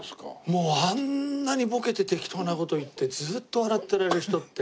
もうあんなにボケて適当な事言ってずっと笑ってられる人って。